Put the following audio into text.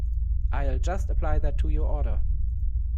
I'll just apply that to your order.